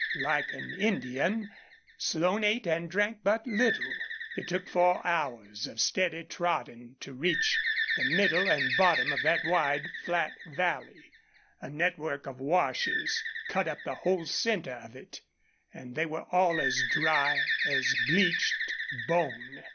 Like an Indian, Slone ate and drank but little. It took four hours of steady trotting to reach the middle and bottom of that wide, flat valley. A network of washes cut up the whole center of it, and they were all as dry as bleached bone.